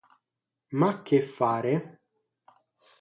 Ma che fare?